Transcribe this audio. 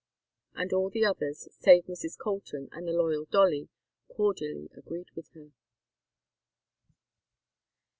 And all the others, save Mrs. Colton and the loyal Dolly, cordially agreed with her.